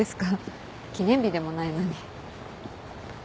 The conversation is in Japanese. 記念日でもないのに。